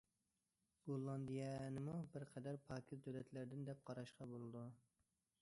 گوللاندىيەنىمۇ بىر قەدەر پاكىز دۆلەتلەردىن دەپ قاراشقا بولىدۇ.